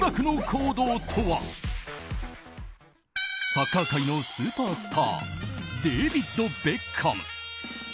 サッカー界のスーパースターデービッド・ベッカム。